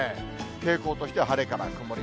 傾向として晴れから曇り。